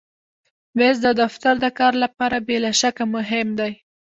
مېز د دفتر د کار لپاره بې له شکه مهم دی.